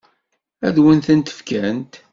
Ad wen-tent-fkent?